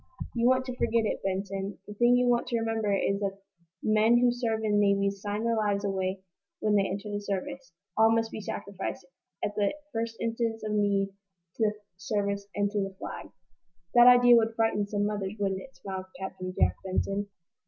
"You want to forget it, Benson. The thing you want to remember is that men who serve in navies sign their lives away when they enter the service. All must be sacrificed, at the first instant of need, to the service and to the Flag!" "That idea would frighten some mothers, wouldn't it?" smiled Captain Jack Benson.